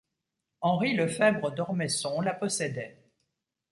Henri Lefèbre d'Ormesson la possédait.